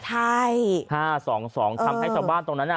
ใช่ห้าสองสองเออทำให้ชาวบ้านตรงนั้นอ่ะ